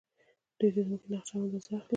دوی د ځمکې نقشه او اندازه اخلي.